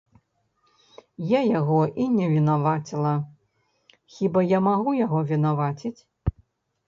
Я яго і не вінаваціла, хіба я магу яго вінаваціць?